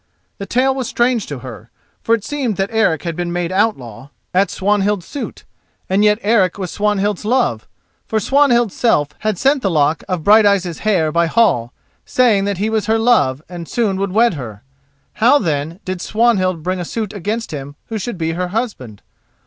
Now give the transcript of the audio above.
The tale was strange to her, for it seemed that Eric had been made outlaw at Swanhild's suit, and yet Eric was Swanhild's love: for Swanhild's self had sent the lock of Brighteyes' hair by Hall, saying that he was her love and soon would wed her. How, then, did Swanhild bring a suit against him who should be her husband?